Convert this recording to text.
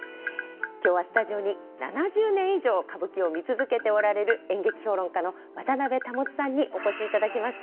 今日はスタジオに７０年以上歌舞伎を見続けておられる演劇評論家の渡辺保さんにお越しいただきました。